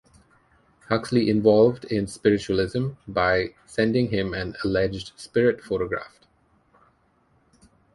Huxley involved in spiritualism by sending him an alleged spirit photograph.